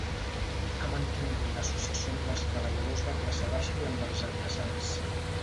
Ha mantingut l'associació amb els treballadors de classe baixa i amb els artesans.